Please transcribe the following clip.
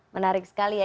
menarik sekali ya